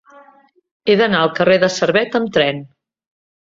He d'anar al carrer de Servet amb tren.